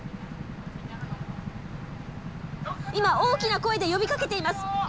今大きな声で呼びかけています。